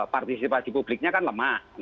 partisipasi publiknya kan lemah